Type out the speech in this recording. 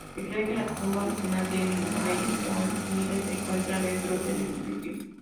Se cree que la tumba original de Maimónides se encuentra dentro del edificio.